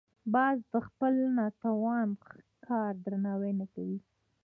باز د خپل ناتوان ښکار درناوی نه کوي